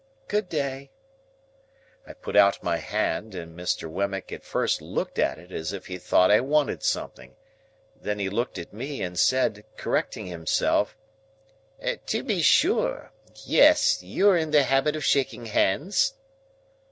"Good day." I put out my hand, and Mr. Wemmick at first looked at it as if he thought I wanted something. Then he looked at me, and said, correcting himself,— "To be sure! Yes. You're in the habit of shaking hands?"